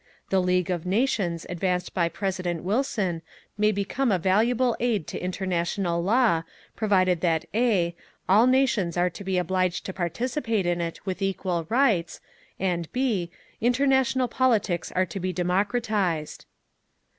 The "League of Nations" advanced by President Wilson may become a valuable aid to international law, provided that (a), all nations are to be obliged to participate in it with equal rights, and (b), international politics are to be democratised.